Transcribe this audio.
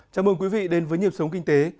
chào mừng quý vị đến với nhịp sống kinh tế